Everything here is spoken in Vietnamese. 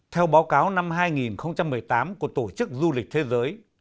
theo báo cáo năm hai nghìn một mươi tám của tổ chức du lịch thế giới